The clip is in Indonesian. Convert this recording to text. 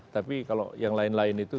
tapi kalau yang lain lain itu